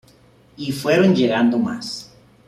Y fueron llegando más.